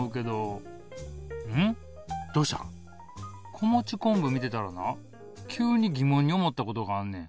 子持ち昆布見てたらな急に疑問に思ったことがあんねん。